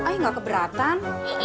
ayah gak keberatan